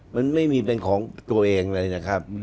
มันไม่มีเป็นของตัวเองเลยนะครับ